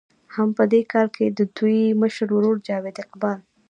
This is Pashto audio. هم دې کال کښې د دوي مشر ورور جاويد اقبال